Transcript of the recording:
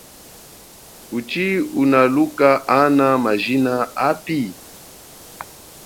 Kuchi unaluka ana majina api?